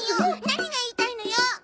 何が言いたいのよ！？